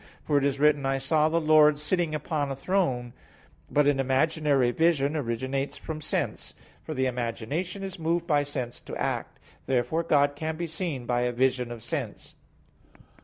For it is written: "I saw the Lord sitting upon a throne," etc. (Isa. 6:1). But an imaginary vision originates from sense; for the imagination is moved by sense to act. Therefore God can be seen by a vision of sense.